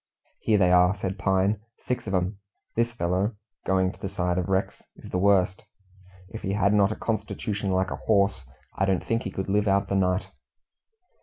"Here they are," said Pine; "six of 'em. This fellow" going to the side of Rex "is the worst. If he had not a constitution like a horse, I don't think he could live out the night."